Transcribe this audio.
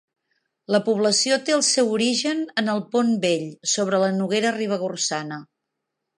La població té el seu origen en el pont vell sobre la Noguera Ribagorçana.